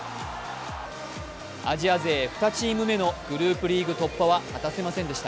アジア勢２チーム目のグループリーグ突破は果たせませんでした。